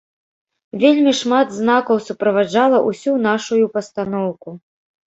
Вельмі шмат знакаў суправаджала ўсю нашую пастаноўку.